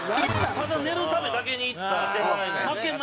ただ寝るためだけに行った負け前乗りです。